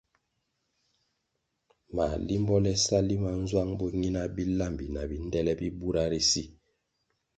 Mā limbo le sa limanzwang bo nyina bilambi na bindele bi bura ri si!